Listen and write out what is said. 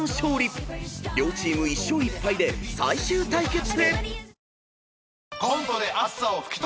［両チーム１勝１敗で最終対決へ］